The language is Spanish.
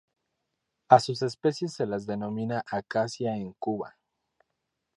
A sus especies se las denomina acacia en Cuba.